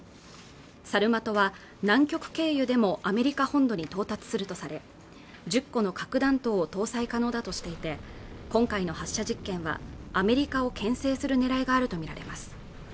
サルマトは南極経由でもアメリカ本土に到達するとされ１０個の核弾頭を搭載可能だとしていて今回の発射実験はアメリカをけん制するねらいがあると見られます